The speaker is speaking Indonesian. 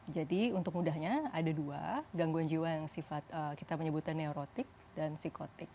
jadi untuk mudahnya ada dua gangguan jiwa yang kita menyebutkan neurotik dan psikotik